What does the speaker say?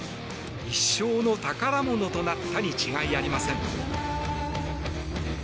一生の宝物となったに違いありません。